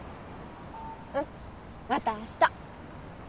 うんまた明日。